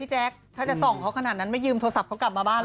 แจ๊คถ้าจะส่องเขาขนาดนั้นไม่ยืมโทรศัพท์เขากลับมาบ้านแล้ว